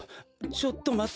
ちょっとまって。